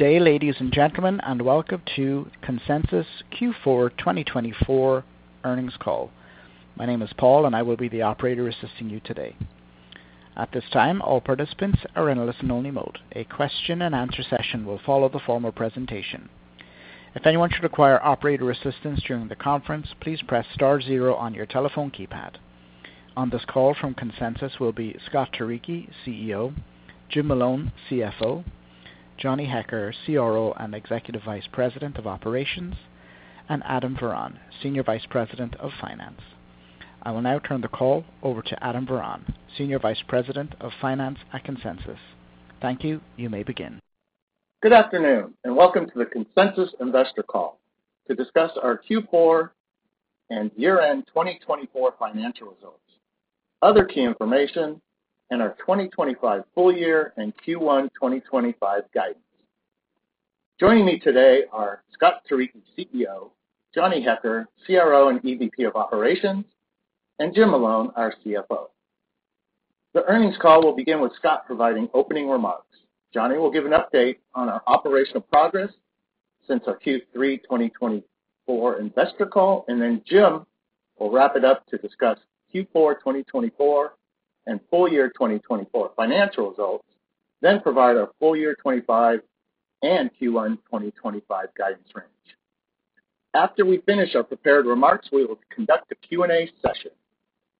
Good day, ladies and gentlemen, and welcome to Consensus Q4 2024 earnings call. My name is Paul, and I will be the operator assisting you today. At this time, all participants are in a listen-only mode. A question-and-answer session will follow the formal presentation. If anyone should require operator assistance during the conference, please press star zero on your telephone keypad. On this call from Consensus will be Scott Turicchi, CEO; Jim Malone, CFO; Johnny Hecker, CRO and Executive Vice President of Operations; and Adam Varon, Senior Vice President of Finance. I will now turn the call over to Adam Varon, Senior Vice President of Finance at Consensus. Thank you. You may begin. Good afternoon, and welcome to the Consensus Investor Call to discuss our Q4 and year-end 2024 financial results, other key information, and our 2025 full year and Q1 2025 guidance. Joining me today are Scott Turicchi, CEO, Johnny Hecker, CRO and EVP of Operations, and Jim Malone, our CFO. The earnings call will begin with Scott providing opening remarks. Johnny will give an update on our operational progress since our Q3 2024 investor call, and then Jim will wrap it up to discuss Q4 2024 and full year 2024 financial results, then provide our full year '2025 and Q1 2025 guidance range. After we finish our prepared remarks, we will conduct a Q&A session.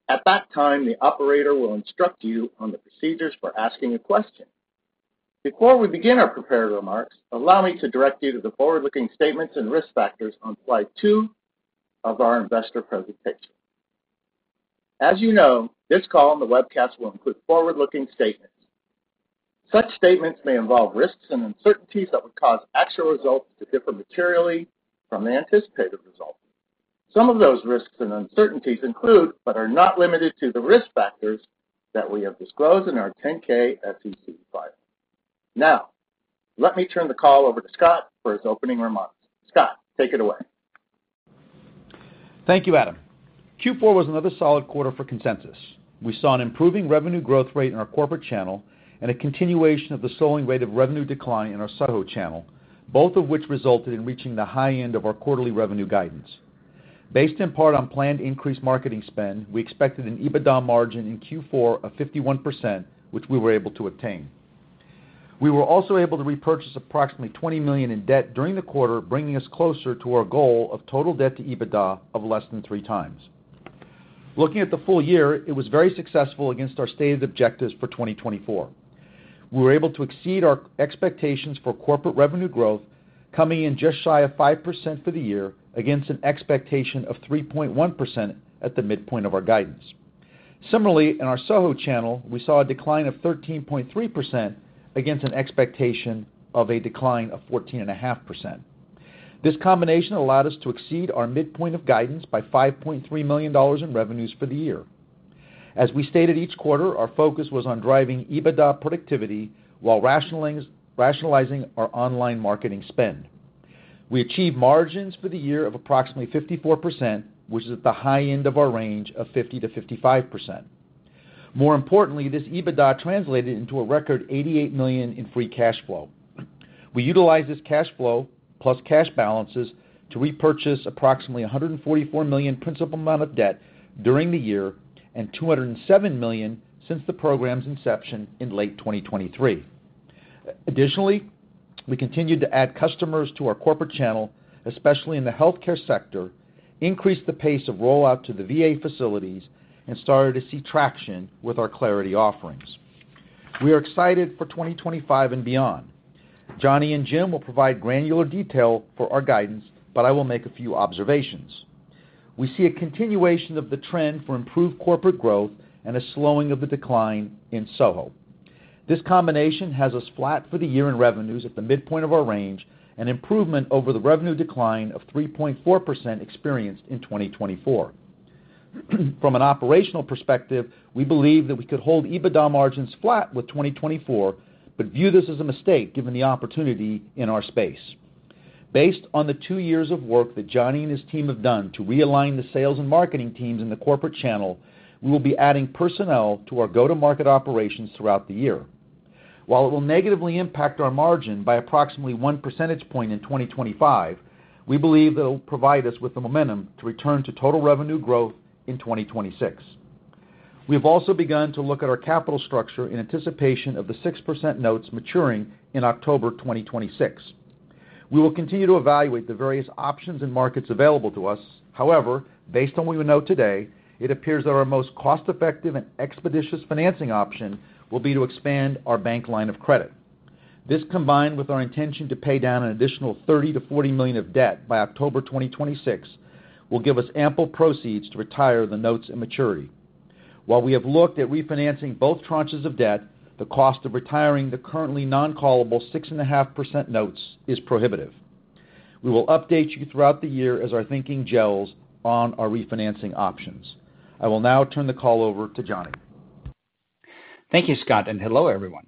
At that time, the operator will instruct you on the procedures for asking a question. Before we begin our prepared remarks, allow me to direct you to the forward-looking statements and risk factors on slide two of our investor presentation. As you know, this call and the webcast will include forward-looking statements. Such statements may involve risks and uncertainties that would cause actual results to differ materially from the anticipated results. Some of those risks and uncertainties include, but are not limited to, the risk factors that we have disclosed in our 10-K SEC filing. Now, let me turn the call over to Scott for his opening remarks. Scott, take it away. Thank you, Adam. Q4 was another solid quarter for Consensus. We saw an improving revenue growth rate in our corporate channel and a continuation of the slowing rate of revenue decline in our SoHo channel, both of which resulted in reaching the high end of our quarterly revenue guidance. Based in part on planned increased marketing spend, we expected an EBITDA margin in Q4 of 51%, which we were able to attain. We were also able to repurchase approximately $20 million in debt during the quarter, bringing us closer to our goal of total debt to EBITDA of less than three times. Looking at the full year, it was very successful against our stated objectives for 2024. We were able to exceed our expectations for corporate revenue growth, coming in just shy of 5% for the year against an expectation of 3.1% at the midpoint of our guidance. Similarly, in our SoHo channel, we saw a decline of 13.3% against an expectation of a decline of 14.5%. This combination allowed us to exceed our midpoint of guidance by $5.3 million in revenues for the year. As we stated each quarter, our focus was on driving EBITDA productivity while rationalizing our online marketing spend. We achieved margins for the year of approximately 54%, which is at the high end of our range of 50%-55%. More importantly, this EBITDA translated into a record $88 million in free cash flow. We utilized this cash flow plus cash balances to repurchase approximately $144 million principal amount of debt during the year and $207 million since the program's inception in late 2023. Additionally, we continued to add customers to our corporate channel, especially in the healthcare sector, increased the pace of rollout to the VA facilities, and started to see traction with our Clarity offerings. We are excited for 2025 and beyond. Johnny and Jim will provide granular detail for our guidance, but I will make a few observations. We see a continuation of the trend for improved corporate growth and a slowing of the decline in SoHo. This combination has us flat for the year in revenues at the midpoint of our range and improvement over the revenue decline of 3.4% experienced in 2024. From an operational perspective, we believe that we could hold EBITDA margins flat with 2024, but view this as a mistake given the opportunity in our space. Based on the two years of work that Johnny and his team have done to realign the sales and marketing teams in the corporate channel, we will be adding personnel to our go-to-market operations throughout the year. While it will negatively impact our margin by approximately one percentage point in 2025, we believe that it will provide us with the momentum to return to total revenue growth in 2026. We have also begun to look at our capital structure in anticipation of the 6% notes maturing in October 2026. We will continue to evaluate the various options and markets available to us. However, based on what we know today, it appears that our most cost-effective and expeditious financing option will be to expand our bank line of credit. This, combined with our intention to pay down an additional $30 million-$40 million of debt by October 2026, will give us ample proceeds to retire the notes in maturity. While we have looked at refinancing both tranches of debt, the cost of retiring the currently non-callable 6.5% notes is prohibitive. We will update you throughout the year as our thinking gels on our refinancing options. I will now turn the call over to Johnny. Thank you, Scott, and hello, everyone.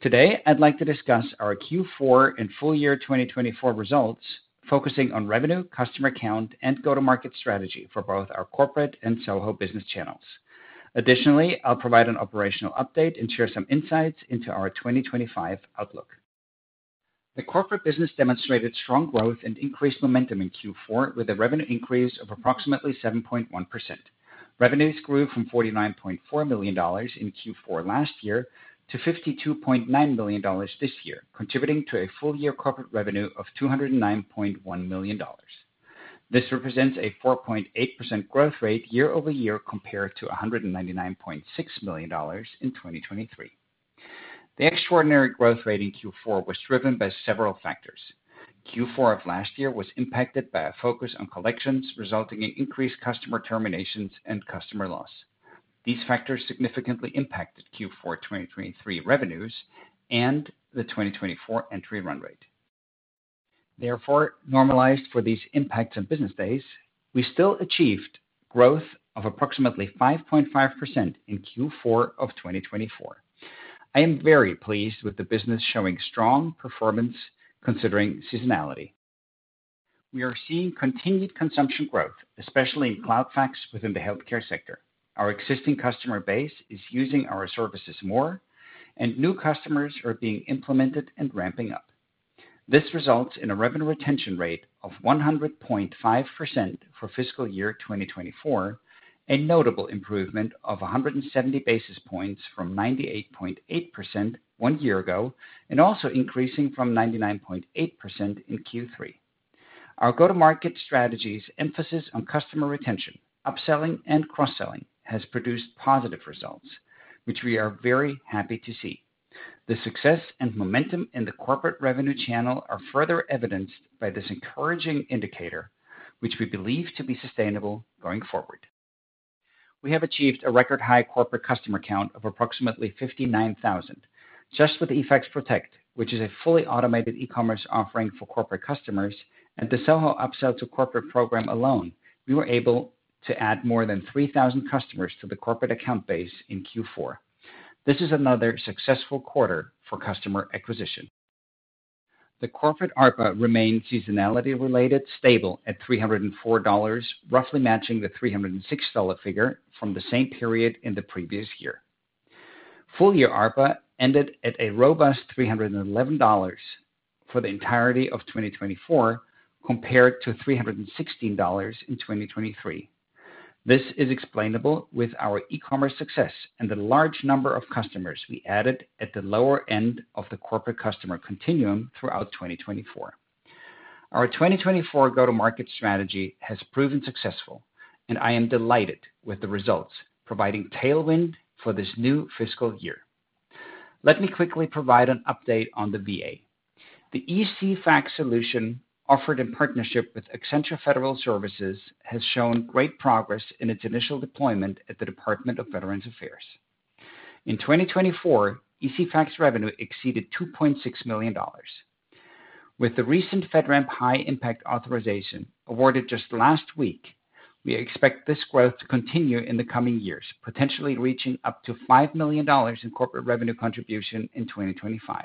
Today, I'd like to discuss our Q4 and full year 2024 results, focusing on revenue, customer count, and go-to-market strategy for both our corporate and SoHo business channels. Additionally, I'll provide an operational update and share some insights into our 2025 outlook. The corporate business demonstrated strong growth and increased momentum in Q4, with a revenue increase of approximately 7.1%. Revenues grew from $49.4 million in Q4 last year to $52.9 million this year, contributing to a full year corporate revenue of $209.1 million. This represents a 4.8% growth rate year over year compared to $199.6 million in 2023. The extraordinary growth rate in Q4 was driven by several factors. Q4 of last year was impacted by a focus on collections, resulting in increased customer terminations and customer loss. These factors significantly impacted Q4 2023 revenues and the 2024 entry run rate. Therefore, normalized for these impacts and business days, we still achieved growth of approximately 5.5% in Q4 of 2024. I am very pleased with the business showing strong performance considering seasonality. We are seeing continued consumption growth, especially in CloudFax within the healthcare sector. Our existing customer base is using our services more, and new customers are being implemented and ramping up. This results in a revenue retention rate of 100.5% for fiscal year 2024, a notable improvement of 170 basis points from 98.8% one year ago, and also increasing from 99.8% in Q3. Our go-to-market strategy's emphasis on customer retention, upselling, and cross-selling has produced positive results, which we are very happy to see. The success and momentum in the corporate revenue channel are further evidenced by this encouraging indicator, which we believe to be sustainable going forward. We have achieved a record high corporate customer count of approximately 59,000. Just with EFX Protect, which is a fully automated e-commerce offering for corporate customers, and the SoHo upsell to corporate program alone, we were able to add more than 3,000 customers to the corporate account base in Q4. This is another successful quarter for customer acquisition. The corporate ARPA remained seasonality-related stable at $304, roughly matching the $306 figure from the same period in the previous year. Full year ARPA ended at a robust $311 for the entirety of 2024, compared to $316 in 2023. This is explainable with our e-commerce success and the large number of customers we added at the lower end of the corporate customer continuum throughout 2024. Our 2024 go-to-market strategy has proven successful, and I am delighted with the results, providing tailwind for this new fiscal year. Let me quickly provide an update on the VA. The ECFax solution offered in partnership with Accenture Federal Services has shown great progress in its initial deployment at the Department of Veterans Affairs. In 2024, ECFax revenue exceeded $2.6 million. With the recent FedRAMP High Impact Authorization awarded just last week, we expect this growth to continue in the coming years, potentially reaching up to $5 million in corporate revenue contribution in 2025.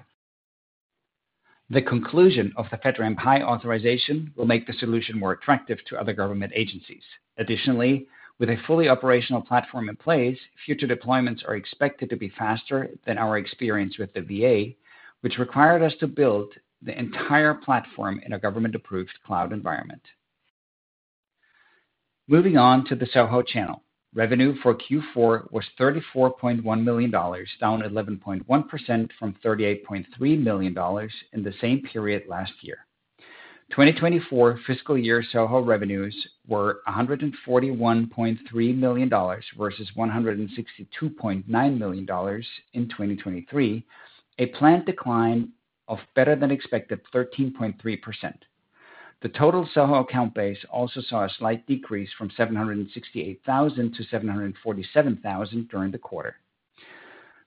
The conclusion of the FedRAMP High Authorization will make the solution more attractive to other government agencies. Additionally, with a fully operational platform in place, future deployments are expected to be faster than our experience with the VA, which required us to build the entire platform in a government-approved cloud environment. Moving on to the SoHo channel, revenue for Q4 was $34.1 million, down 11.1% from $38.3 million in the same period last year. 2024 fiscal year SoHo revenues were $141.3 million versus $162.9 million in 2023, a planned decline of better than expected 13.3%. The total SoHo account base also saw a slight decrease from 768,000 to 747,000 during the quarter.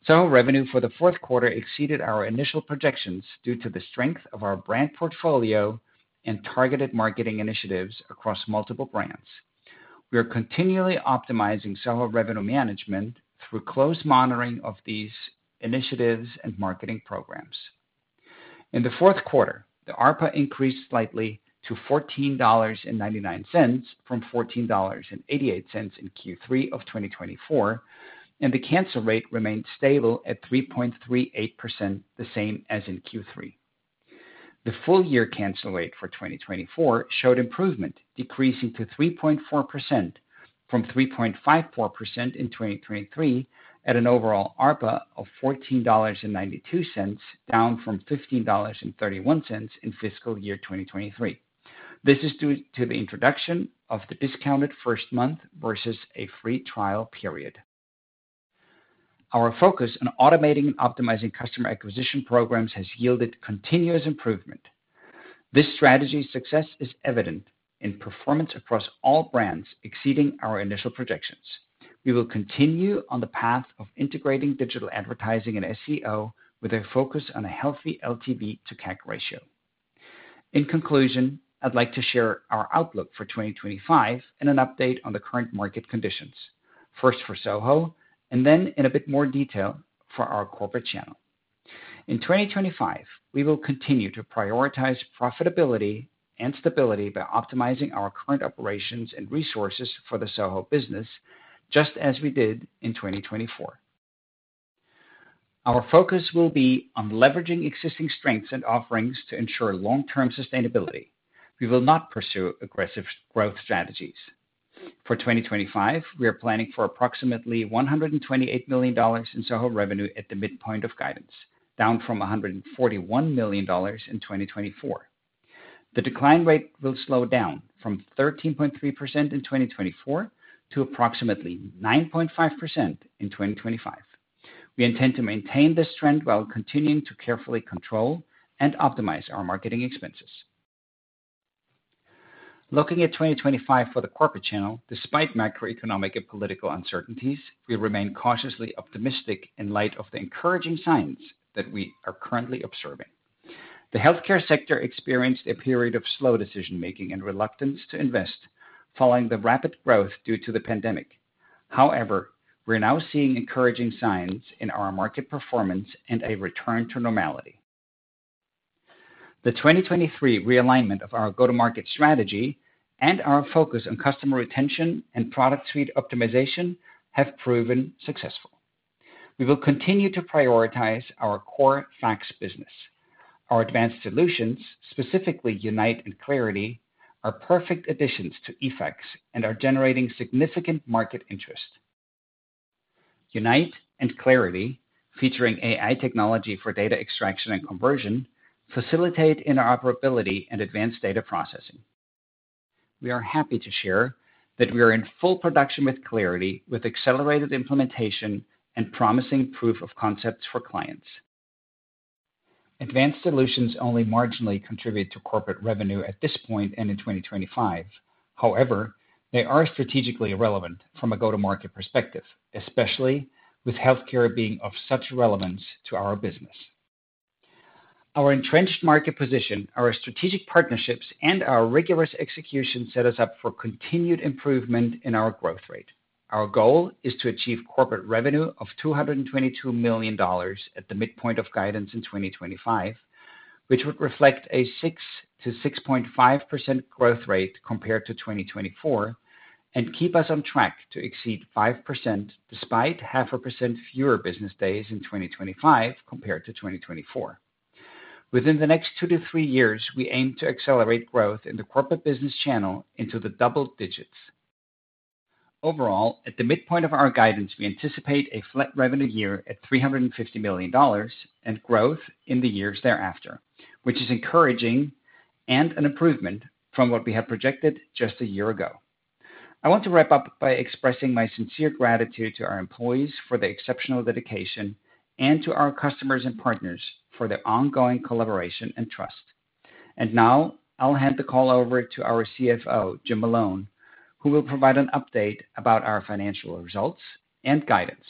SoHo revenue for the fourth quarter exceeded our initial projections due to the strength of our brand portfolio and targeted marketing initiatives across multiple brands. We are continually optimizing SoHo revenue management through close monitoring of these initiatives and marketing programs. In the fourth quarter, the ARPA increased slightly to $14.99 from $14.88 in Q3 of 2024, and the cancel rate remained stable at 3.38%, the same as in Q3. The full year cancel rate for 2024 showed improvement, decreasing to 3.4% from 3.54% in 2023, at an overall ARPA of $14.92, down from $15.31 in fiscal year 2023. This is due to the introduction of the discounted first month versus a free trial period. Our focus on automating and optimizing customer acquisition programs has yielded continuous improvement. This strategy's success is evident in performance across all brands, exceeding our initial projections. We will continue on the path of integrating digital advertising and SEO with a focus on a healthy LTV to CAC ratio. In conclusion, I'd like to share our outlook for 2025 and an update on the current market conditions, first for SoHo and then in a bit more detail for our corporate channel. In 2025, we will continue to prioritize profitability and stability by optimizing our current operations and resources for the SoHo business, just as we did in 2024. Our focus will be on leveraging existing strengths and offerings to ensure long-term sustainability. We will not pursue aggressive growth strategies. For 2025, we are planning for approximately $128 million in SoHo revenue at the midpoint of guidance, down from $141 million in 2024. The decline rate will slow down from 13.3% in 2024 to approximately 9.5% in 2025. We intend to maintain this trend while continuing to carefully control and optimize our marketing expenses. Looking at 2025 for the corporate channel, despite macroeconomic and political uncertainties, we remain cautiously optimistic in light of the encouraging signs that we are currently observing. The healthcare sector experienced a period of slow decision-making and reluctance to invest following the rapid growth due to the pandemic. However, we're now seeing encouraging signs in our market performance and a return to normality. The 2023 realignment of our go-to-market strategy and our focus on customer retention and product suite optimization have proven successful. We will continue to prioritize our core fax business. Our advanced solutions, specifically Unite and Clarity, are perfect additions to EFX and are generating significant market interest. Unite and Clarity, featuring AI technology for data extraction and conversion, facilitate interoperability and advanced data processing. We are happy to share that we are in full production with Clarity, with accelerated implementation and promising proof of concepts for clients. Advanced solutions only marginally contribute to corporate revenue at this point and in 2025. However, they are strategically relevant from a go-to-market perspective, especially with healthcare being of such relevance to our business. Our entrenched market position, our strategic partnerships, and our rigorous execution set us up for continued improvement in our growth rate. Our goal is to achieve corporate revenue of $222 million at the midpoint of guidance in 2025, which would reflect a 6-6.5% growth rate compared to 2024 and keep us on track to exceed 5% despite 0.5% fewer business days in 2025 compared to 2024. Within the next two to three years, we aim to accelerate growth in the corporate business channel into the double digits. Overall, at the midpoint of our guidance, we anticipate a flat revenue year at $350 million and growth in the years thereafter, which is encouraging and an improvement from what we had projected just a year ago. I want to wrap up by expressing my sincere gratitude to our employees for the exceptional dedication and to our customers and partners for their ongoing collaboration and trust. And now, I'll hand the call over to our CFO, Jim Malone, who will provide an update about our financial results and guidance.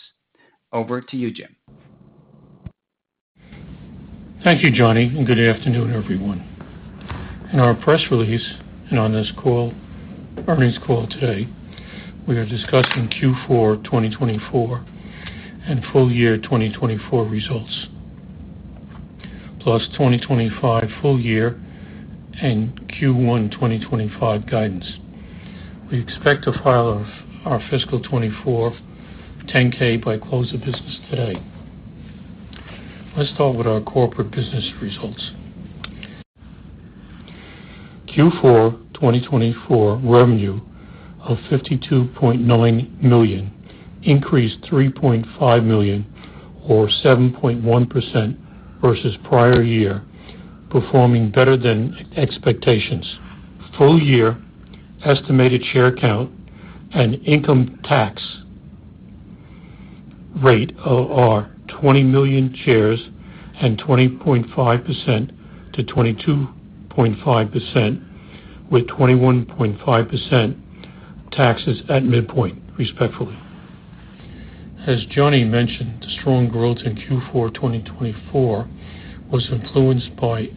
Over to you, Jim. Thank you, Johnny, and good afternoon, everyone. In our press release and on this earnings call today, we are discussing Q4 2024 and full year 2024 results, plus 2025 full year and Q1 2025 guidance. We expect to file our fiscal 2024 10-K by close of business today. Let's start with our corporate business results. Q4 2024 revenue of $52.9 million, increased $3.5 million or 7.1% versus prior year, performing better than expectations. Full year estimated share count and income tax rate are 20 million shares and 20.5%-22.5%, with 21.5% taxes at midpoint, respectively. As Johnny mentioned, the strong growth in Q4 2024 was influenced by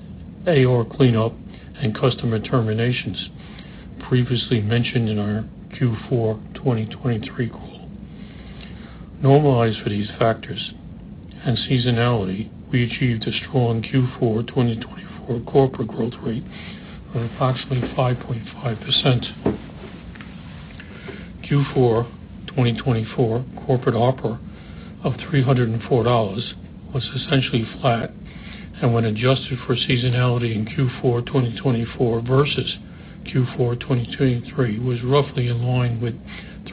AR cleanup and customer terminations previously mentioned in our Q4 2023 call. Normalized for these factors and seasonality, we achieved a strong Q4 2024 corporate growth rate of approximately 5.5%. Q4 2024 corporate ARPA of $304 was essentially flat, and when adjusted for seasonality in Q4 2024 versus Q4 2023, was roughly in line with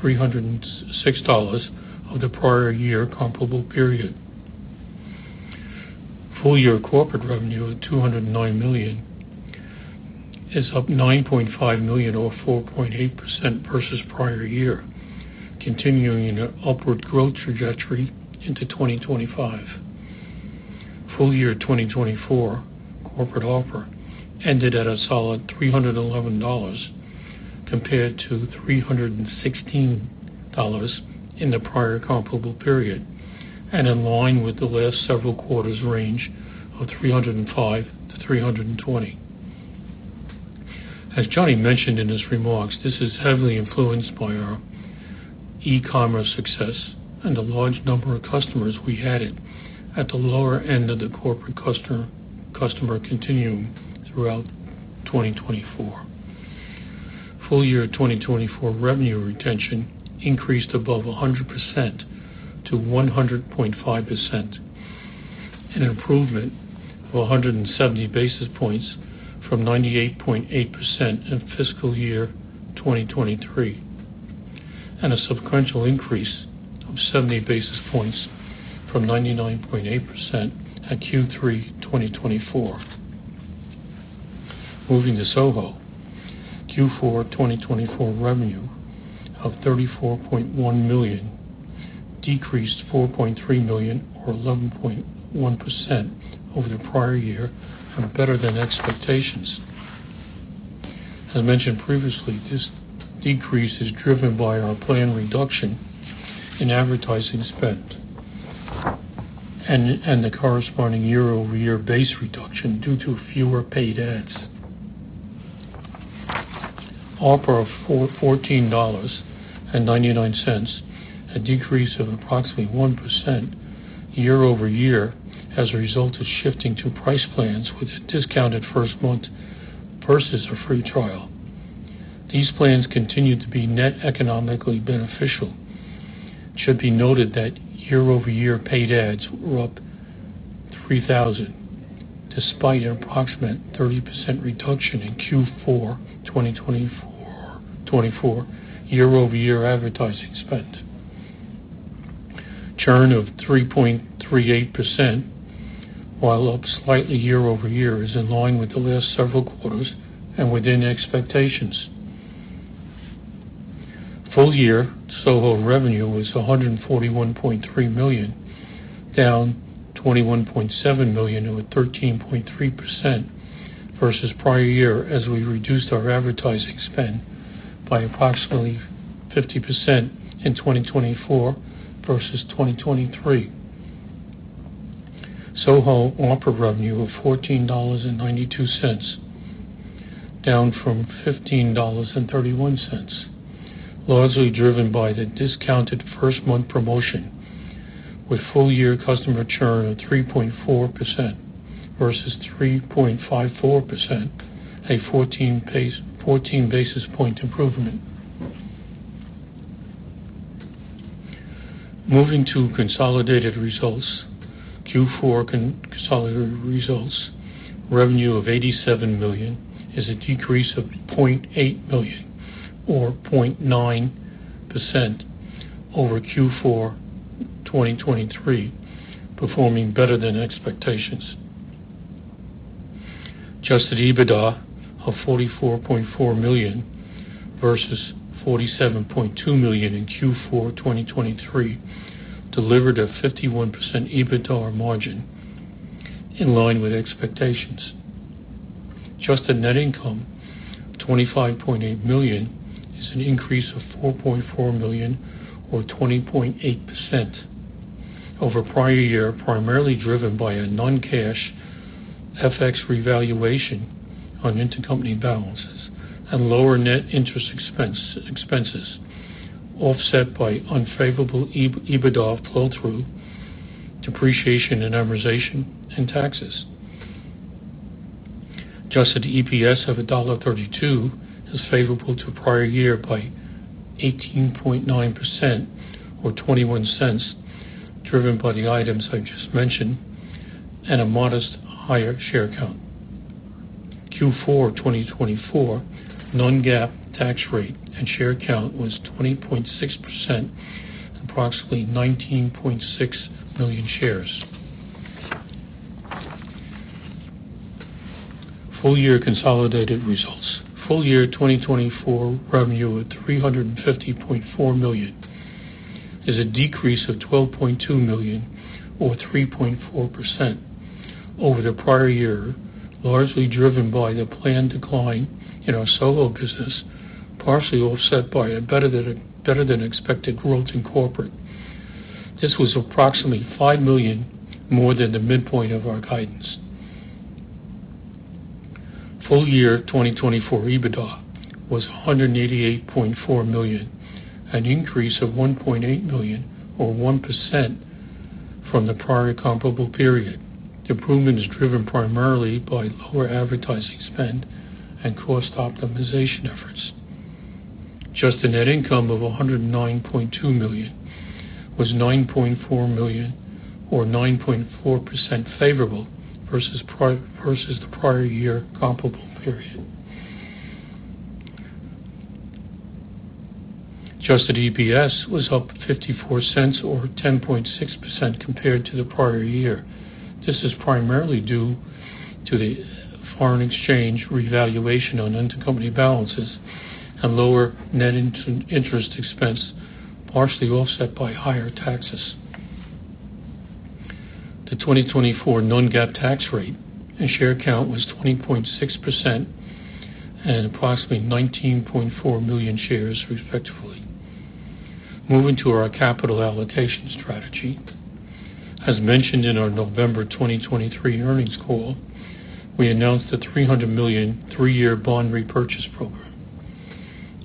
$306 of the prior year comparable period. Full year corporate revenue of $209 million is up $9.5 million or 4.8% versus prior year, continuing an upward growth trajectory into 2025. Full year 2024 corporate ARPA ended at a solid $311 compared to $316 in the prior comparable period and in line with the last several quarters range of $305-$320. As Johnny mentioned in his remarks, this is heavily influenced by our e-commerce success and the large number of customers we added at the lower end of the corporate customer continuum throughout 2024. Full year 2024 revenue retention increased above 100% to 100.5%, an improvement of 170 basis points from 98.8% in fiscal year 2023, and a sequential increase of 70 basis points from 99.8% at Q3 2024. Moving to SoHo Q4 2024 revenue of $34.1 million decreased $4.3 million or 11.1% over the prior year and better than expectations. As mentioned previously, this decrease is driven by our planned reduction in advertising spend and the corresponding year-over-year base reduction due to fewer paid ads. ARPA of $14.99, a decrease of approximately 1% year-over-year as a result of shifting to price plans with a discounted first month versus a free trial. These plans continue to be net economically beneficial. It should be noted that year-over-year paid ads were up $3,000 despite an approximate 30% reduction in Q4 2024 year-over-year advertising spend. Churn of 3.38%, while up slightly year-over-year, is in line with the last several quarters and within expectations. Full year SoHo revenue was $141.3 million, down $21.7 million or 13.3% versus prior year as we reduced our advertising spend by approximately 50% in 2024 versus 2023. SoHo ARPA revenue of $14.92, down from $15.31, largely driven by the discounted first month promotion, with full year customer churn of 3.4% versus 3.54%, a 14 basis points improvement. Moving to consolidated results, Q4 consolidated results, revenue of $87 million is a decrease of $0.8 million or 0.9% over Q4 2023, performing better than expectations. Adjusted EBITDA of $44.4 million versus $47.2 million in Q4 2023 delivered a 51% EBITDA margin in line with expectations. Just a net income of $25.8 million is an increase of $4.4 million or 20.8% over prior year, primarily driven by a non-cash FX revaluation on intercompany balances and lower net interest expenses offset by unfavorable EBITDA flow-through depreciation and amortization and taxes. Just the EPS of $1.32 is favorable to prior year by 18.9% or $0.21, driven by the items I just mentioned and a modest higher share count. Q4 2024 non-GAAP tax rate and share count was 20.6%, approximately 19.6 million shares. Full year consolidated results, full year 2024 revenue of $350.4 million is a decrease of $12.2 million or 3.4% over the prior year, largely driven by the planned decline in our SoHo business, partially offset by a better than expected growth in corporate. This was approximately $5 million more than the midpoint of our guidance. Full year 2024 Adjusted EBITDA was $188.4 million, an increase of $1.8 million or 1% from the prior comparable period. Improvement is driven primarily by lower advertising spend and cost optimization efforts. Adjusted net income of $109.2 million was $9.4 million or 9.4% favorable versus the prior year comparable period. Adjusted EPS was up $0.54 or 10.6% compared to the prior year. This is primarily due to the foreign exchange revaluation on intercompany balances and lower net interest expense, partially offset by higher taxes. The 2024 non-GAAP tax rate and share count was 20.6% and approximately 19.4 million shares, respectively. Moving to our capital allocation strategy, as mentioned in our November 2023 earnings call, we announced a $300 million three-year bond repurchase program.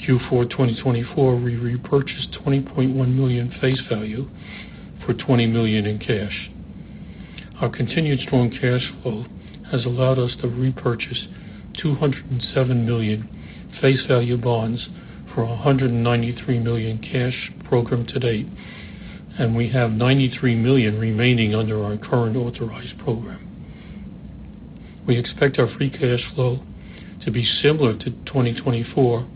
Q4 2024, we repurchased $20.1 million face value for $20 million in cash. Our continued strong cash flow has allowed us to repurchase $207 million face value bonds for $193 million cash program to date, and we have $93 million remaining under our current authorized program. We expect our free cash flow to be similar to 2024,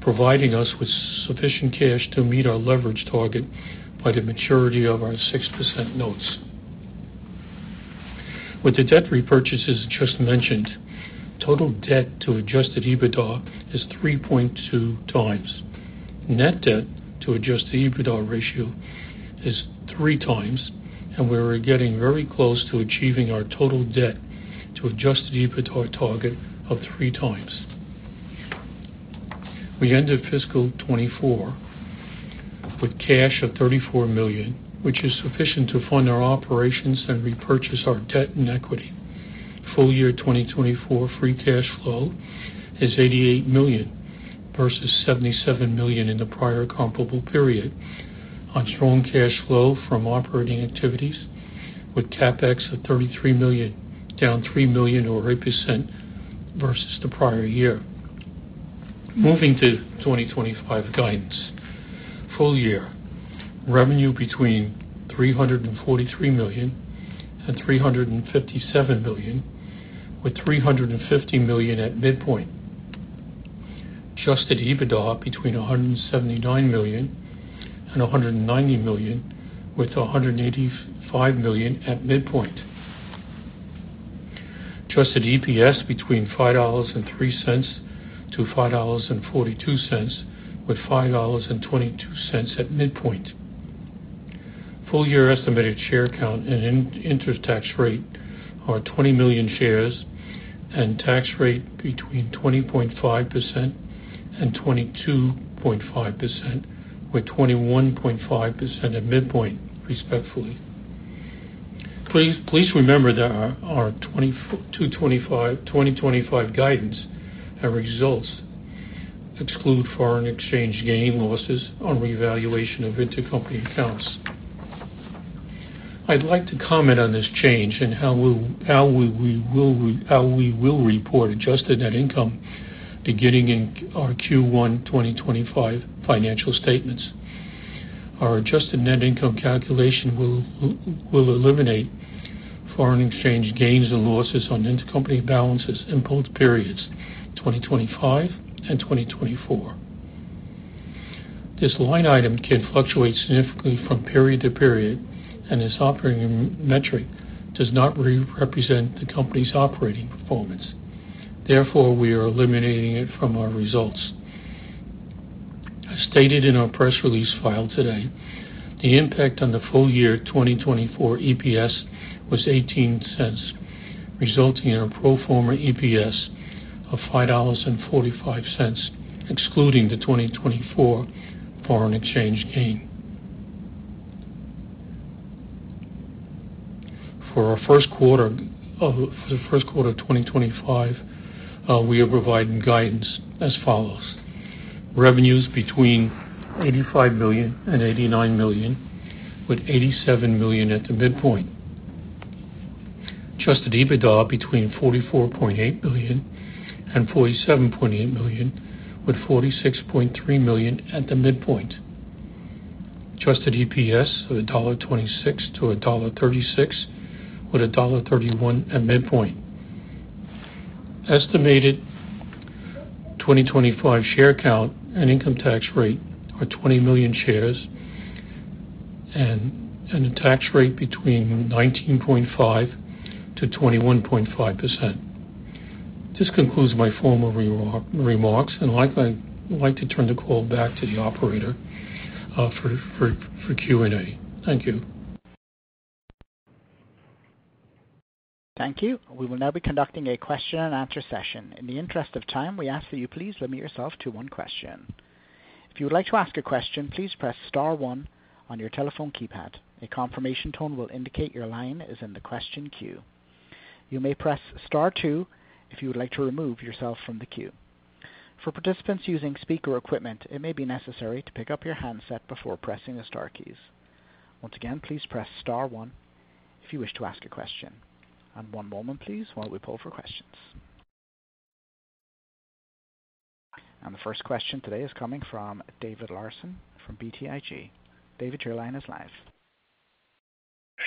providing us with sufficient cash to meet our leverage target by the maturity of our 6% notes. With the debt repurchases just mentioned, total debt to adjusted EBITDA is 3.2 times. Net debt to adjusted EBITDA ratio is 3 times, and we are getting very close to achieving our total debt to adjusted EBITDA target of 3 times. We ended fiscal 2024 with cash of $34 million, which is sufficient to fund our operations and repurchase our debt and equity. Full year 2024 free cash flow is $88 million versus $77 million in the prior comparable period on strong cash flow from operating activities with CapEx of $33 million, down $3 million or 8% versus the prior year. Moving to 2025 guidance, full year revenue between $343 million and $357 million, with $350 million at midpoint. Adjusted EBITDA between $179 million and $190 million, with $185 million at midpoint. Adjusted EPS between $5.03 and $5.42, with $5.22 at midpoint. Full year estimated share count and interest, tax rate are 20 million shares and tax rate between 20.5% and 22.5%, with 21.5% at midpoint, respectively. Please remember that our 2025 guidance and results exclude foreign exchange gain losses on revaluation of intercompany accounts. I'd like to comment on this change and how we will report adjusted net income beginning in our Q1 2025 financial statements. Our adjusted net income calculation will eliminate foreign exchange gains and losses on intercompany balances in both periods, 2025 and 2024. This line item can fluctuate significantly from period to period, and this operating metric does not represent the company's operating performance. Therefore, we are eliminating it from our results. As stated in our press release filed today, the impact on the full year 2024 EPS was $0.18, resulting in a pro forma EPS of $5.45, excluding the 2024 foreign exchange gain. For our first quarter of 2025, we are providing guidance as follows: revenues between $85 million and $89 million, with $87 million at the midpoint. Adjusted EBITDA between $44.8 million and $47.8 million, with $46.3 million at the midpoint. Adjusted EPS of $1.26 to $1.36, with $1.31 at midpoint. Estimated 2025 share count and income tax rate are 20 million shares and a tax rate between 19.5% to 21.5%. This concludes my formal remarks, and I'd like to turn the call back to the operator for Q&A. Thank you. Thank you. We will now be conducting a question-and-answer session. In the interest of time, we ask that you please limit yourself to one question. If you would like to ask a question, please press star one on your telephone keypad. A confirmation tone will indicate your line is in the question queue. You may press star two if you would like to remove yourself from the queue. For participants using speaker equipment, it may be necessary to pick up your handset before pressing the star keys. Once again, please press star one if you wish to ask a question. And one moment, please, while we pull for questions. And the first question today is coming from David Larsen from BTIG. David, your line is live.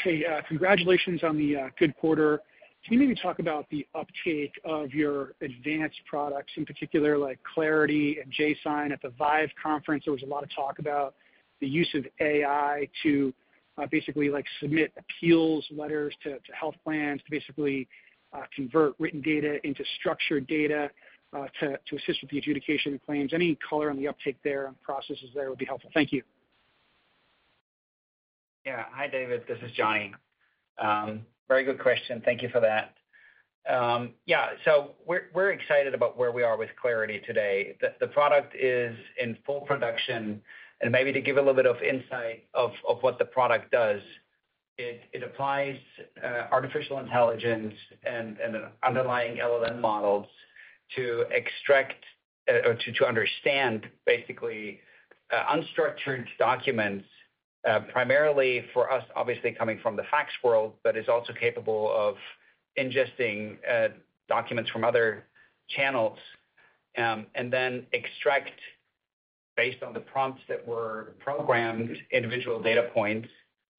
Hey, congratulations on the good quarter. Can you maybe talk about the uptake of your advanced products, in particular like Clarity and JSON? At the ViVE conference, there was a lot of talk about the use of AI to basically submit appeals letters to health plans, to basically convert written data into structured data to assist with the adjudication of claims. Any color on the uptake there and processes there would be helpful. Thank you. Yeah. Hi, David. This is Johnny. Very good question. Thank you for that. Yeah. So we're excited about where we are with Clarity today. The product is in full production. And maybe to give a little bit of insight of what the product does, it applies artificial intelligence and underlying LLM models to extract or to understand basically unstructured documents, primarily for us, obviously coming from the fax world, but is also capable of ingesting documents from other channels and then extract based on the prompts that were programmed individual data points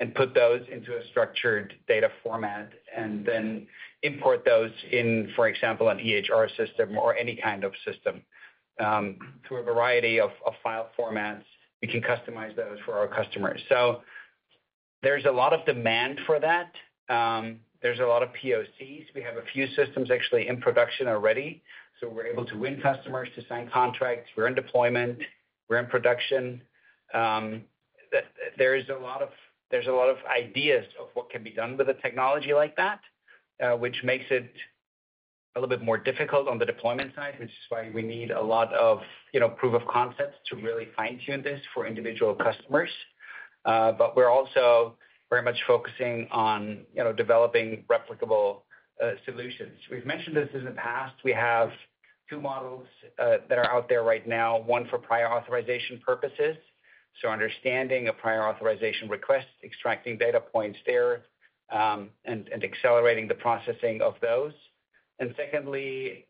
and put those into a structured data format and then import those in, for example, an EHR system or any kind of system to a variety of file formats. We can customize those for our customers. So there's a lot of demand for that. There's a lot of POCs. We have a few systems actually in production already, so we're able to win customers to sign contracts. We're in deployment. We're in production. There's a lot of ideas of what can be done with a technology like that, which makes it a little bit more difficult on the deployment side, which is why we need a lot of proof of concepts to really fine-tune this for individual customers. But we're also very much focusing on developing replicable solutions. We've mentioned this in the past. We have two models that are out there right now, one for prior authorization purposes, so understanding a prior authorization request, extracting data points there, and accelerating the processing of those. And secondly,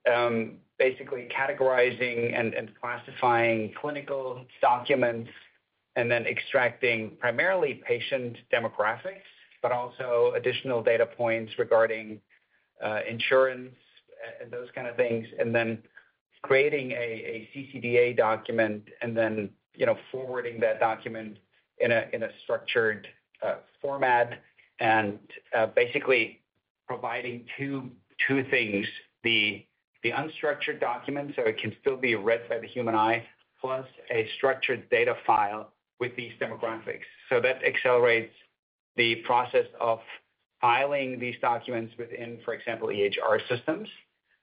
basically categorizing and classifying clinical documents and then extracting primarily patient demographics, but also additional data points regarding insurance and those kind of things, and then creating a CCDA document and then forwarding that document in a structured format and basically providing two things: the unstructured document, so it can still be read by the human eye, plus a structured data file with these demographics. So that accelerates the process of filing these documents within, for example, EHR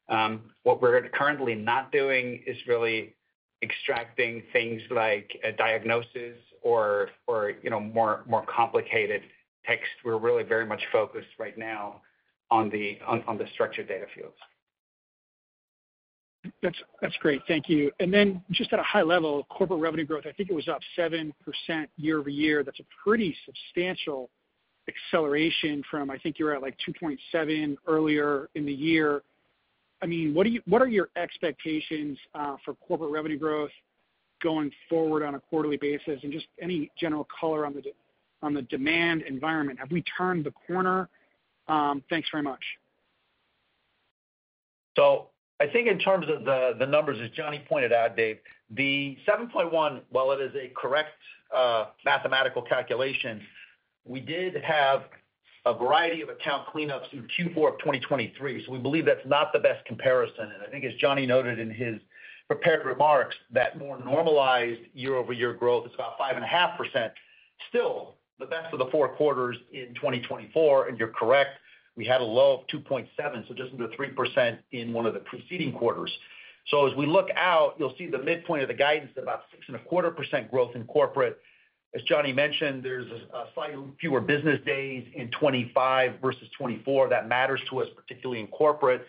systems. What we're currently not doing is really extracting things like diagnosis or more complicated text. We're really very much focused right now on the structured data fields. That's great. Thank you. And then just at a high level, corporate revenue growth, I think it was up 7% year over year. That's a pretty substantial acceleration from, I think you were at like 2.7% earlier in the year. I mean, what are your expectations for corporate revenue growth going forward on a quarterly basis and just any general color on the demand environment? Have we turned the corner? Thanks very much. So I think in terms of the numbers, as Johnny pointed out, Dave, the 7.1%, while it is a correct mathematical calculation, we did have a variety of account cleanups in Q4 of 2023. So we believe that's not the best comparison. And I think, as Johnny noted in his prepared remarks, that more normalized year-over-year growth is about 5.5%, still the best of the four quarters in 2024. And you're correct. We had a low of 2.7%, so just under 3% in one of the preceding quarters. So as we look out, you'll see the midpoint of the guidance at about 6.25% growth in corporate. As Johnny mentioned, there's slightly fewer business days in 2025 versus 2024. That matters to us, particularly in corporate.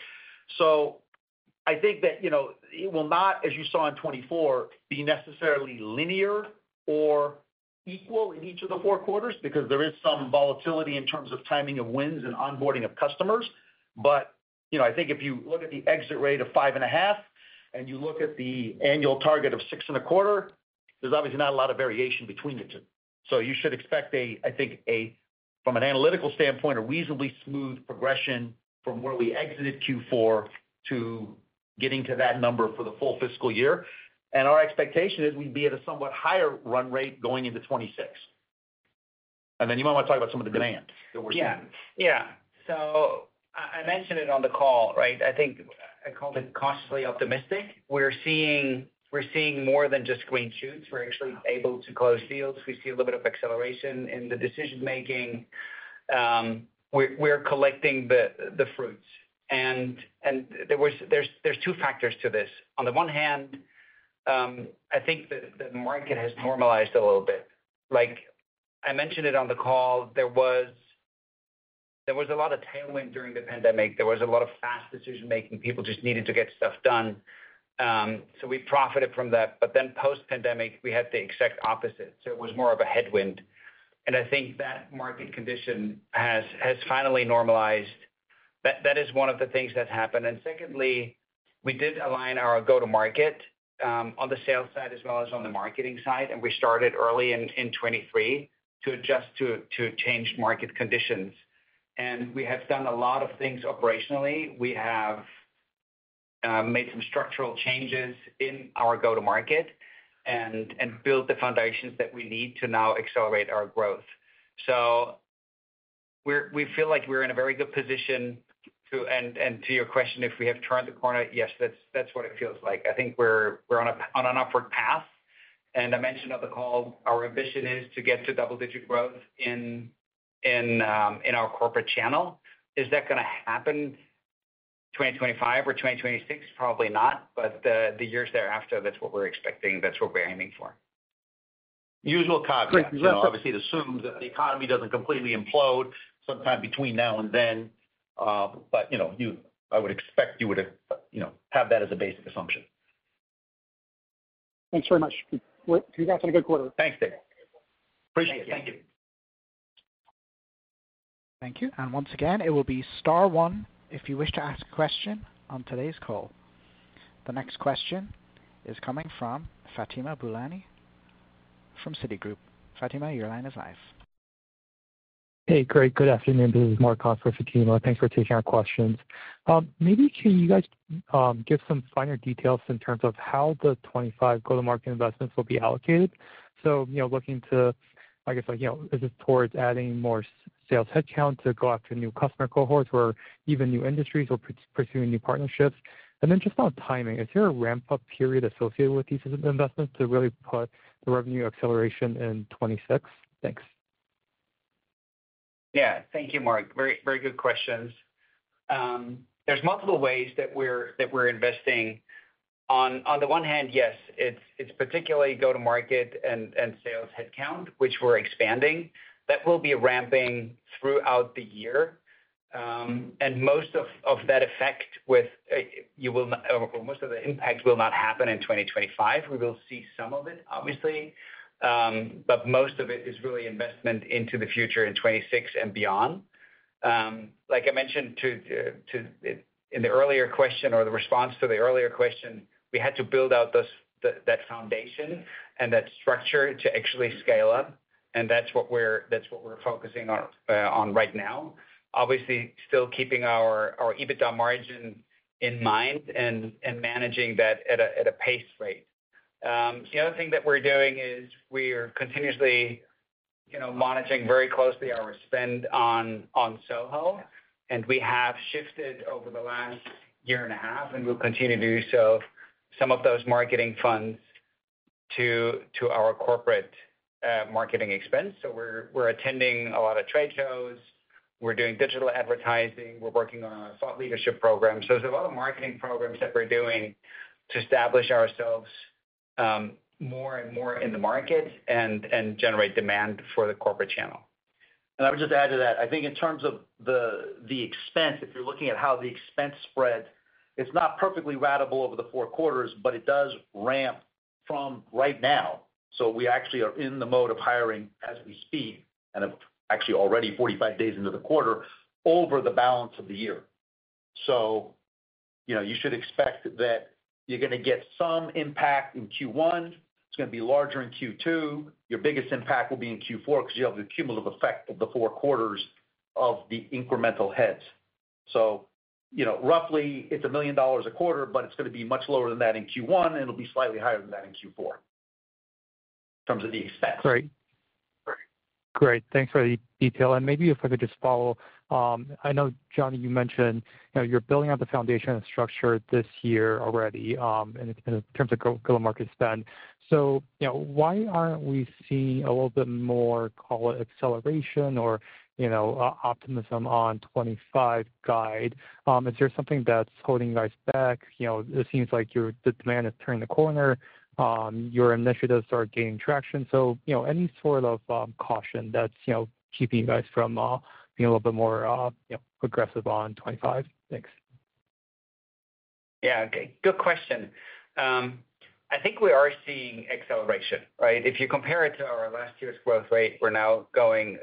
So I think that it will not, as you saw in 2024, be necessarily linear or equal in each of the four quarters because there is some volatility in terms of timing of wins and onboarding of customers. But I think if you look at the exit rate of 5.5 and you look at the annual target of 6.25, there's obviously not a lot of variation between the two. So you should expect, I think, from an analytical standpoint, a reasonably smooth progression from where we exited Q4 to getting to that number for the full fiscal year. And our expectation is we'd be at a somewhat higher run rate going into 2026. And then you might want to talk about some of the demand that we're seeing. Yeah. Yeah. So I mentioned it on the call, right? I think I called it cautiously optimistic. We're seeing more than just green shoots. We're actually able to close deals. We see a little bit of acceleration in the decision-making. We're collecting the fruits. And there's two factors to this. On the one hand, I think that the market has normalized a little bit. Like I mentioned it on the call, there was a lot of tailwind during the pandemic. There was a lot of fast decision-making. People just needed to get stuff done. So we profited from that. But then post-pandemic, we had the exact opposite. So it was more of a headwind. And I think that market condition has finally normalized. That is one of the things that happened. And secondly, we did align our go-to-market on the sales side as well as on the marketing side. We started early in 2023 to adjust to changed market conditions. And we have done a lot of things operationally. We have made some structural changes in our go-to-market and built the foundations that we need to now accelerate our growth. So we feel like we're in a very good position. And to your question, if we have turned the corner, yes, that's what it feels like. I think we're on an upward path. And I mentioned on the call, our ambition is to get to double-digit growth in our corporate channel. Is that going to happen 2025 or 2026? Probably not. But the years thereafter, that's what we're expecting. That's what we're aiming for. Usual caveats. Obviously, it assumes that the economy doesn't completely implode sometime between now and then. But I would expect you would have that as a basic assumption. Thanks very much. Congrats on a good quarter. Thanks, Dave. Appreciate it. Thank you. Thank you. And once again, it will be star one if you wish to ask a question on today's call. The next question is coming from Fatima Boolani from Citigroup. Fatima, your line is live Hey, great. Good afternoon. This is Mark Copper, Fatima. Thanks for taking our questions. Maybe can you guys give some finer details in terms of how the 2025 go-to-market investments will be allocated? So looking to, like I said, is it towards adding more sales headcount to go after new customer cohorts or even new industries or pursuing new partnerships? And then just on timing, is there a ramp-up period associated with these investments to really put the revenue acceleration in 2026? Thanks. Yeah. Thank you, Mark. Very good questions. There are multiple ways that we're investing. On the one hand, yes, it's particularly go-to-market and sales headcount, which we're expanding. That will be ramping throughout the year, and most of that effect with most of the impact will not happen in 2025. We will see some of it, obviously, but most of it is really investment into the future in 2026 and beyond. Like I mentioned in the earlier question or the response to the earlier question, we had to build out that foundation and that structure to actually scale up, and that's what we're focusing on right now. Obviously, still keeping our EBITDA margin in mind and managing that at a pace rate. The other thing that we're doing is we are continuously monitoring very closely our spend on SOHO. And we have shifted over the last year and a half, and we'll continue to do so, some of those marketing funds to our corporate marketing expense. So we're attending a lot of trade shows. We're doing digital advertising. We're working on our thought leadership program. So there's a lot of marketing programs that we're doing to establish ourselves more and more in the market and generate demand for the corporate channel. And I would just add to that, I think in terms of the expense, if you're looking at how the expense spread, it's not perfectly ratable over the four quarters, but it does ramp from right now. So we actually are in the mode of hiring as we speak and are actually already 45 days into the quarter over the balance of the year. So you should expect that you're going to get some impact in Q1. It's going to be larger in Q2. Your biggest impact will be in Q4 because you have the cumulative effect of the four quarters of the incremental heads. So roughly, it's $1 million a quarter, but it's going to be much lower than that in Q1, and it'll be slightly higher than that in Q4 in terms of the expense. Great. Great. Thanks for the detail. And maybe if I could just follow, I know, Johnny, you mentioned you're building out the foundation and structure this year already in terms of go-to-market spend. So why aren't we seeing a little bit more, call it, acceleration or optimism on 2025 guide? Is there something that's holding you guys back? It seems like the demand is turning the corner. Your initiatives are gaining traction. So any sort of caution that's keeping you guys from being a little bit more aggressive on 2025? Thanks. Yeah. Good question. I think we are seeing acceleration, right? If you compare it to our last year's growth rate, we're now going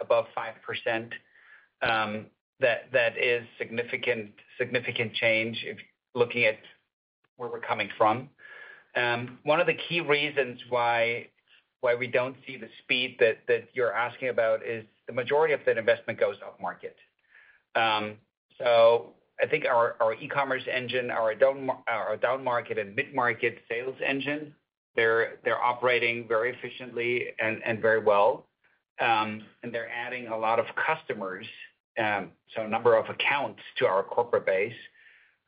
above 5%. That is significant change if looking at where we're coming from. One of the key reasons why we don't see the speed that you're asking about is the majority of that investment goes up market. So I think our e-commerce engine, our down market and mid-market sales engine, they're operating very efficiently and very well. And they're adding a lot of customers, so a number of accounts to our corporate base.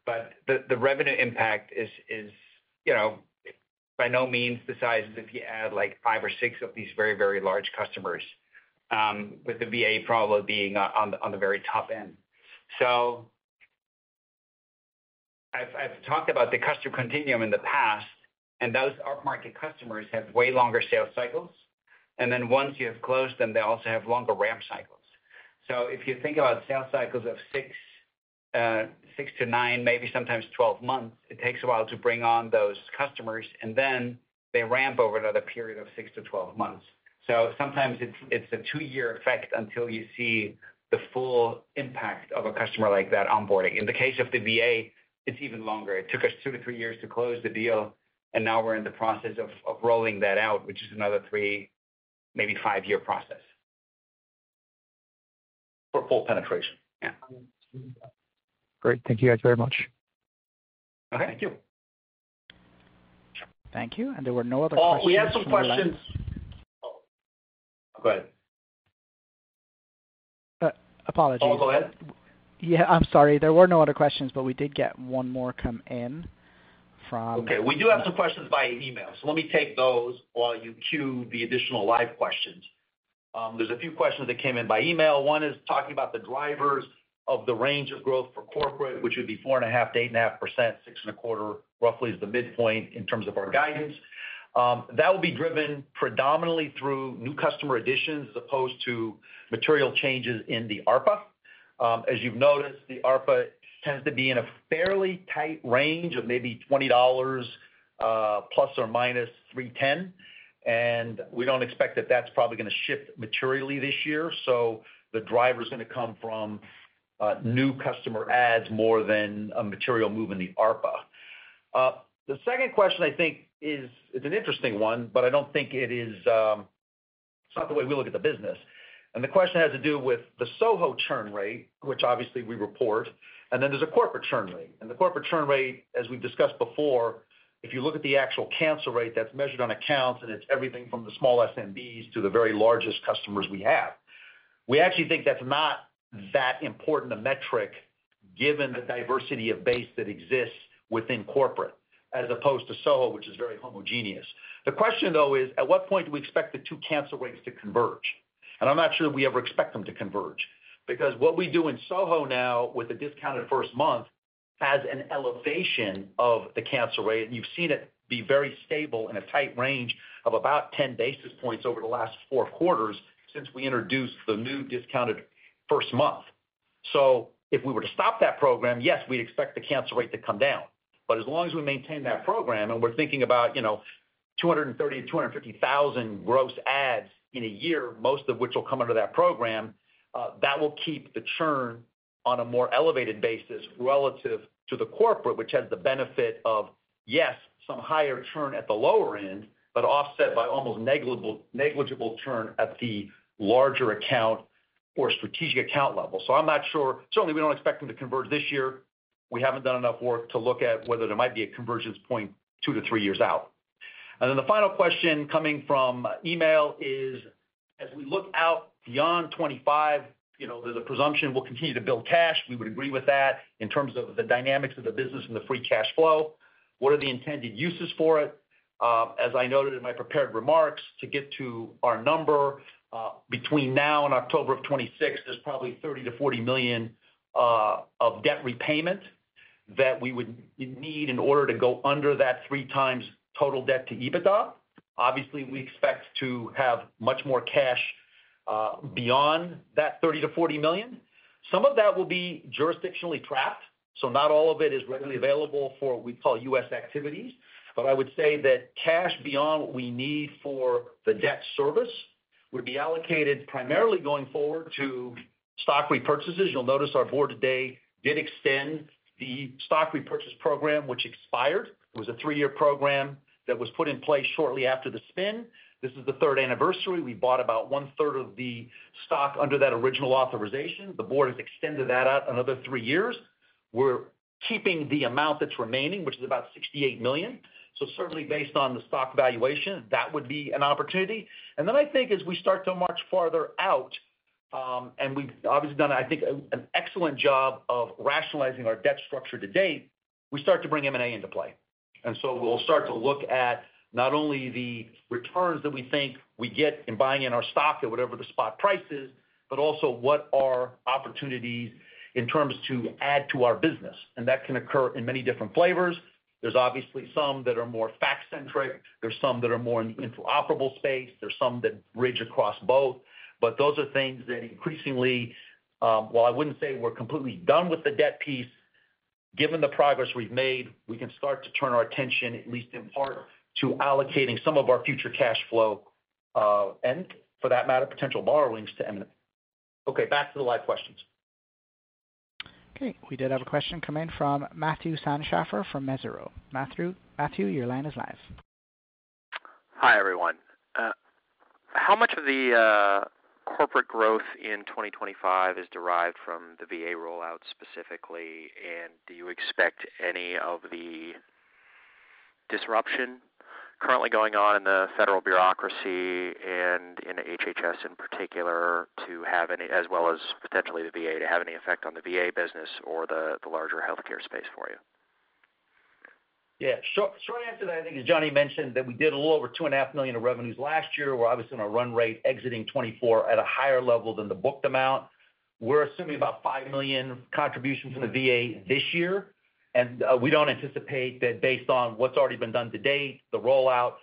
But the revenue impact is by no means the size if you add like five or six of these very, very large customers, with the VA probably being on the very top end. I've talked about the customer continuum in the past, and those up-market customers have way longer sales cycles. And then once you have closed them, they also have longer ramp cycles. So if you think about sales cycles of six to nine, maybe sometimes 12 months, it takes a while to bring on those customers, and then they ramp over another period of six to 12 months. So sometimes it's a two-year effect until you see the full impact of a customer like that onboarding. In the case of the VA, it's even longer. It took us two to three years to close the deal, and now we're in the process of rolling that out, which is another three, maybe five-year process for full penetration. Yeah. Great. Thank you guys very much. Okay. Thank you. Thank you. And there were no other questions. Oh, we have some questions. Oh, go ahead. Apologies. Oh, go ahead. Yeah. I'm sorry. There were no other questions, but we did get one more come in from. Okay. We do have some questions by email. So let me take those while you queue the additional live questions. There's a few questions that came in by email. One is talking about the drivers of the range of growth for corporate, which would be 4.5%-8.5%. 6.25%, roughly is the midpoint in terms of our guidance. That will be driven predominantly through new customer additions as opposed to material changes in the ARPA. As you've noticed, the ARPA tends to be in a fairly tight range of maybe $20 or plus minus $3.10. And we don't expect that that's probably going to shift materially this year. So the driver is going to come from new customer adds more than a material move in the ARPA. The second question, I think, is an interesting one, but I don't think it is. It's not the way we look at the business. And the question has to do with the SoHo churn rate, which obviously we report. And then there's a corporate churn rate. And the corporate churn rate, as we've discussed before, if you look at the actual cancel rate that's measured on accounts, and it's everything from the small SMBs to the very largest customers we have. We actually think that's not that important a metric given the diversity of base that exists within corporate as opposed to SoHo, which is very homogeneous. The question, though, is at what point do we expect the two cancel rates to converge? And I'm not sure that we ever expect them to converge because what we do in SoHo now with the discounted first month has an elevation of the cancel rate. And you've seen it be very stable in a tight range of about 10 basis points over the last four quarters since we introduced the new discounted first month. So if we were to stop that program, yes, we'd expect the cancel rate to come down. But as long as we maintain that program, and we're thinking about 230,000-250,000 gross adds in a year, most of which will come under that program, that will keep the churn on a more elevated basis relative to the corporate, which has the benefit of, yes, some higher churn at the lower end, but offset by almost negligible churn at the larger account or strategic account level. So I'm not sure. Certainly, we don't expect them to converge this year. We haven't done enough work to look at whether there might be a convergence point two to three years out. And then the final question coming from email is, as we look out beyond 2025, there's a presumption we'll continue to build cash. We would agree with that in terms of the dynamics of the business and the free cash flow. What are the intended uses for it? As I noted in my prepared remarks, to get to our number, between now and October of 2026, there's probably $30-$40 million of debt repayment that we would need in order to go under that three times total debt to EBITDA. Obviously, we expect to have much more cash beyond that $30-$40 million. Some of that will be jurisdictionally trapped. So not all of it is readily available for what we call U.S. activities. But I would say that cash beyond what we need for the debt service would be allocated primarily going forward to stock repurchases. You'll notice our board today did extend the stock repurchase program, which expired. It was a three-year program that was put in place shortly after the spin. This is the third anniversary. We bought about one-third of the stock under that original authorization. The board has extended that out another three years. We're keeping the amount that's remaining, which is about $68 million. So certainly, based on the stock valuation, that would be an opportunity. And then I think as we start to march farther out, and we've obviously done, I think, an excellent job of rationalizing our debt structure to date, we start to bring M&A into play. And so we'll start to look at not only the returns that we think we get in buying in our stock at whatever the spot price is, but also what are opportunities in terms to add to our business. And that can occur in many different flavors. There's obviously some that are more fact-centric. There's some that are more in the interoperable space. There's some that bridge across both. But those are things that increasingly, while I wouldn't say we're completely done with the debt piece, given the progress we've made, we can start to turn our attention, at least in part, to allocating some of our future cash flow and, for that matter, potential borrowings to M&A. Okay. Back to the live questions. Okay. We did have a question come in from Matthew Sandschafer from Mizuho. Matthew, your line is live. Hi, everyone. How much of the corporate growth in 2025 is derived from the VA rollout specifically? And do you expect any of the disruption currently going on in the federal bureaucracy and in HHS in particular to have any, as well as potentially the VA, to have any effect on the VA business or the larger healthcare space for you? Yeah. Short answer to that, I think, as Johnny mentioned, that we did a little over $2.5 million of revenues last year. We're obviously on a run rate exiting 2024 at a higher level than the booked amount. We're assuming about $5 million contributions from the VA this year. And we don't anticipate that based on what's already been done to date, the rollout,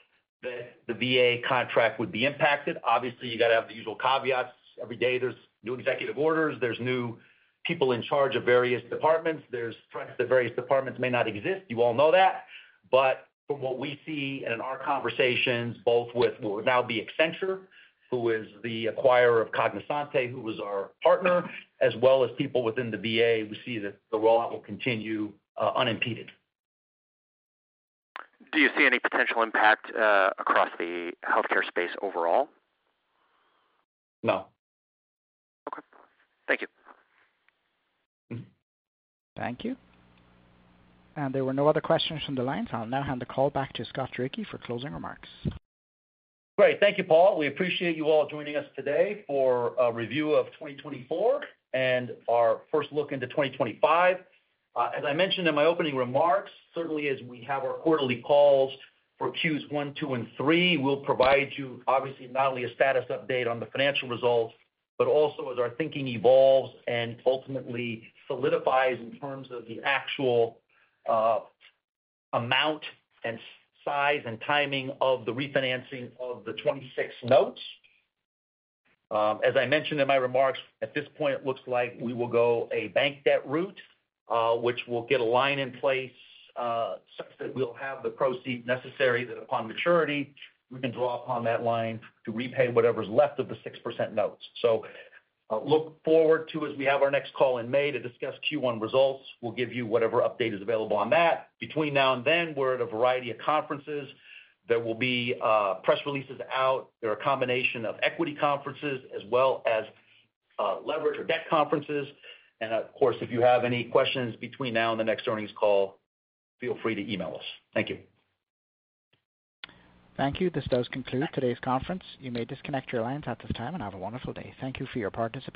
that the VA contract would be impacted. Obviously, you got to have the usual caveats. Every day, there's new executive orders. There's new people in charge of various departments. There's threats that various departments may not exist. You all know that. But from what we see in our conversations, both with what would now be Accenture, who is the acquirer of Cognizant, who was our partner, as well as people within the VA, we see that the rollout will continue unimpeded. Do you see any potential impact across the healthcare space overall? No. Okay. Thank you. Thank you, and there were no other questions from the line, so I'll now hand the call back to Scott Turicchi for closing remarks. Great. Thank you, Paul. We appreciate you all joining us today for a review of 2024 and our first look into 2025. As I mentioned in my opening remarks, certainly as we have our quarterly calls for Qs 1, 2, and 3, we'll provide you, obviously, not only a status update on the financial results, but also as our thinking evolves and ultimately solidifies in terms of the actual amount and size and timing of the refinancing of the 2026 notes. As I mentioned in my remarks, at this point, it looks like we will go a bank debt route, which will get a line in place such that we'll have the proceeds necessary that upon maturity, we can draw upon that line to repay whatever's left of the 6% notes. So look forward to, as we have our next call in May, to discuss Q1 results. We'll give you whatever update is available on that. Between now and then, we're at a variety of conferences. There will be press releases out. There are a combination of equity conferences as well as leverage or debt conferences. And of course, if you have any questions between now and the next earnings call, feel free to email us. Thank you. Thank you. This does conclude today's conference. You may disconnect your lines at this time and have a wonderful day. Thank you for your participation.